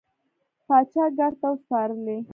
پاچا ګارد ته وسپارلې.